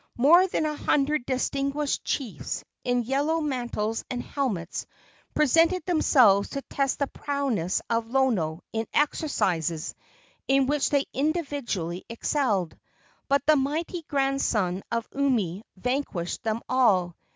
More than a hundred distinguished chiefs, in yellow mantles and helmets, presented themselves to test the prowess of Lono in exercises in which they individually excelled. But the mighty grandson of Umi vanquished them all.